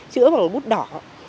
chữ bằng bút đỏ